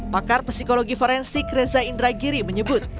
pakar psikologi forensik reza indragiri menyebut